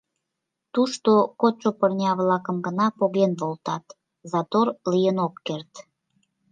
Тушто кодшо пырня-влакым гына поген волтат, затор лийын ок керт.